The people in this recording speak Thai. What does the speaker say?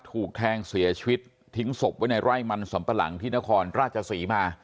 ถูกแทงเสียชีวิตทิ้งศพไว้ในไร่มันสำปะหลังที่นครราชศรีมา